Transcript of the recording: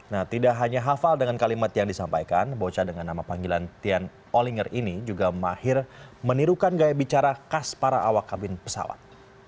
nah tidak hanya hafal dengan kalimat yang disampaikan bocah dengan nama panggilan tian olinger ini juga mahir menirukan gaya bicara khas para awak kabin pesawat